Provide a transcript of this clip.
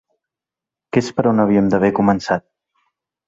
Que és per on havíem d'haver començat.